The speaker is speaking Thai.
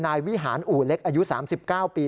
นายวิหารอู่เล็กอายุ๓๙ปี